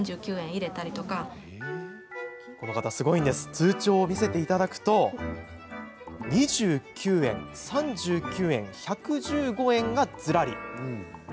通帳を見せていただくと２９円、３９円１１５円がずらり。